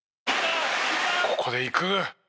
「ここでいく！」